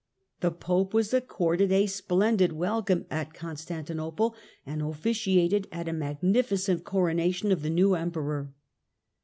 The Pope was accorded a splendid welcome at Constantinople, and officiated at a magnificent coronation of the new Emperor.